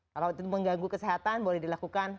kalau itu mengganggu kesehatan boleh dilakukan